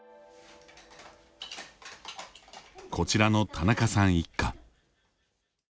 こちらのタナカさん一家。